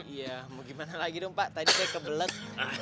iya mau gimana lagi dong pak tadi saya kebelet